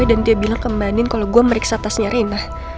dan dia bilang kemanin kalo gua meriksa tasnya rena